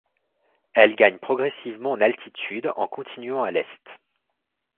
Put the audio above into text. Elle gagne progressivement en altitude en continuant à l'est.